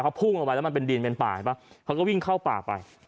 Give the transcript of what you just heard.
เขาพุ่งลงไปแล้วมันเป็นดินเป็นป่าใช่ป่ะเขาก็วิ่งเข้าป่าไป